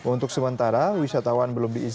untuk sementara wisatawan belum diizin